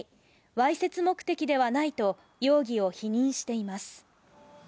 わいせつ目的ではないと容疑を否認しています。